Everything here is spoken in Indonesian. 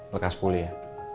lekas pulih ya